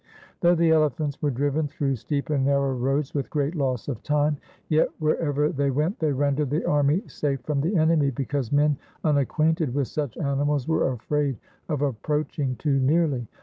Though the elephants were driven through steep and narrow roads with great loss of time, yet wherever they went they rendered the army safe from the enemy, because men unacquainted with such ani mals were afraid of approaching too nearly.